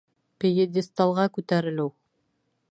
Пьедесталға күтәрелеү